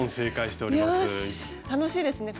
楽しいですね